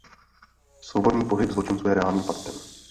Svobodný pohyb zločinců je reálným faktem.